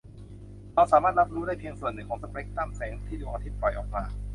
เราสามารถรับรู้ได้เพียงส่วนหนึ่งของสเปกตรัมแสงที่ดวงอาทิตย์ปล่อยออกมา